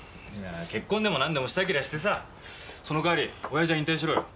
結婚でも何でもしたけりゃしてさその代わりおやじは引退しろよ